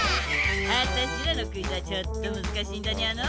あたしらのクイズはちょっとむずかしいんじゃにゃの？